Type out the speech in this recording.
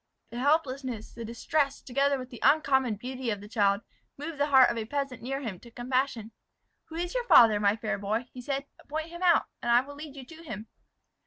The helplessness, the distress, together with the uncommon beauty of the child, moved the heart of a peasant near him, to compassion. "Who is your father, my fair boy?" said he. "Point him out, and I will lead you to him."